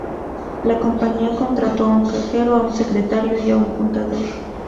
La compañía contrató a un Cajero, a un Secretario y a un Contador.